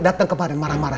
dateng kemarin marah marah